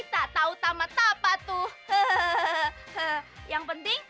hah tahu nggak artinya apaan